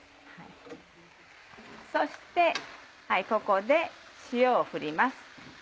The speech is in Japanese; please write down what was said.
そしてここで塩を振ります。